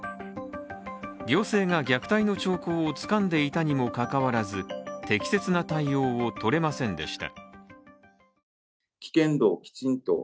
行政が虐待の兆候をつかんでいたにもかかわらず、適切な対応を取れませんでした。